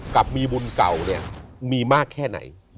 กับมีบุญเก่าเนี่ยมีมากแค่ไหน